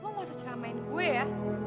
lo gak usah ceramain gue ya